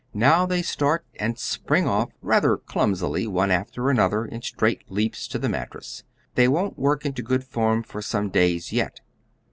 "] Now they start and spring off rather clumsily, one after another, in straight leaps to the mattress. They won't work into good form for some days yet.